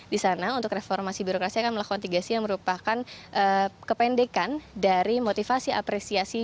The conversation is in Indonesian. di sana untuk reformasi birokrasi akan melakukan tiga c yang merupakan kependekan dari motivasi apresiasi